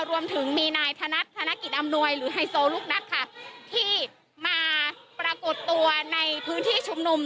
รวมถึงมีนายธนัดธนกิจอำนวยหรือไฮโซลูกนัดค่ะที่มาปรากฏตัวในพื้นที่ชุมนุม